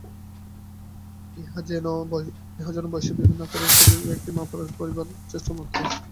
ইহা যেন বিভিন্ন বয়সের ও আকারের শরীরে একটি মাপের জামা পরাইবার চেষ্টার মত।